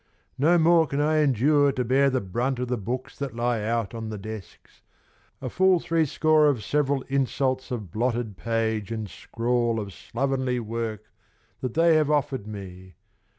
No more can I endure to bear the brunt Of the books that lie out on the desks: a full three score Of several insults of blotted page and scrawl Of slovenly work that they have offered me.